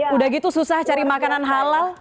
udah gitu susah cari makanan halal